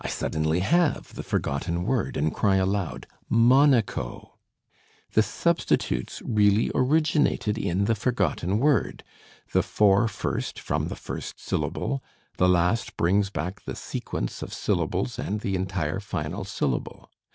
I suddenly have the forgotten word, and cry aloud, "Monaco." The substitutes really originated in the forgotten word, the four first from the first syllable, the last brings back the sequence of syllables and the entire final syllable.